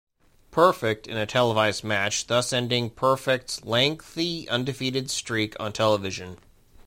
Perfect, in a televised match, thus ending Perfect's lengthy undefeated streak on television.